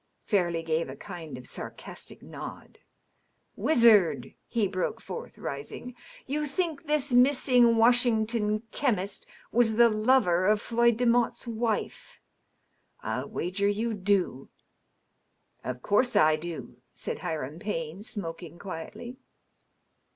Fairleigh gave a kind of sarcastic nod. " Wizard/' he broke forth, rising, ^^ you think this missing Washin^n chemist was the lover of Floyd Demotte's wife. I'll wager you do." " Of course I do," said Hiram Payne, smoking quietly.